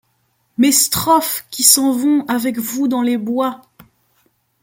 Mes strophes qui s'en vont avec vous dans les bois !